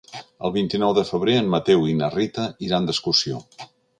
El vint-i-nou de febrer en Mateu i na Rita iran d'excursió.